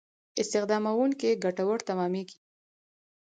استخداموونکو ګټور تمامېږي.